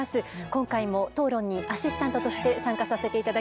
今回も討論にアシスタントとして参加させて頂きます。